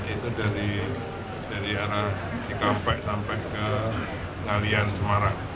itu dari arah cikampek sampai ke ngalian semarang